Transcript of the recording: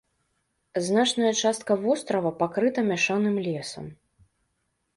Значная частка вострава пакрыта мяшаным лесам.